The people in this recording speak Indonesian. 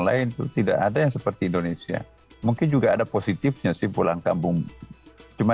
lain itu tidak ada yang seperti indonesia mungkin juga ada positifnya sih pulang kampung cuma